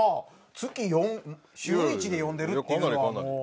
月４週１で読んでるっていうのはもう。